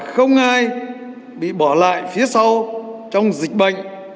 không ai bị bỏ lại phía sau trong dịch bệnh